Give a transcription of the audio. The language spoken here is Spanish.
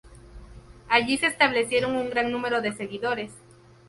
Allí se establecieron un gran número de seguidores.